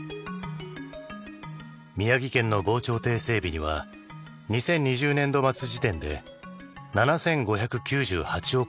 宮城県の防潮堤整備には２０２０年度末時点で７５９８億円が投じられています。